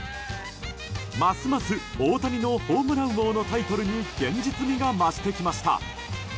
ますます、大谷のホームラン王のタイトルに現実味が増してきました。